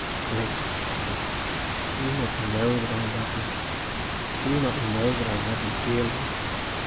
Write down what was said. "Grace," she said, "do you not know that I love you? Do you not know that I love you dearly?"